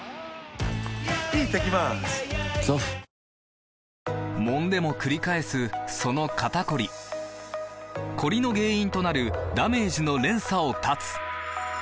さわやか男性用」もんでもくり返すその肩こりコリの原因となるダメージの連鎖を断つ！